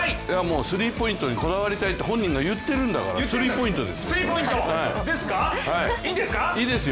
スリーポイントにこだわりたいって本人が言ってるんだからスリーポイントですよ！